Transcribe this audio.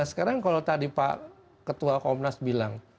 sekarang kalau tadi pak ketua komnas bilang